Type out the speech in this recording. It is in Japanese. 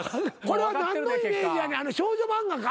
これは何のイメージやねん少女漫画か？